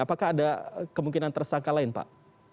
apakah ada kemungkinan tersangka lain pak